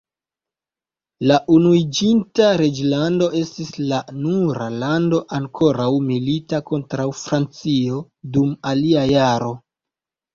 La Unuiĝinta Reĝlando estis la nura lando ankoraŭ milita kontraŭ Francio dum alia jaro.